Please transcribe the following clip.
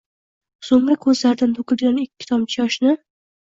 so'ngra ko'zlaridan to'kilgan ikki tomchi yoshn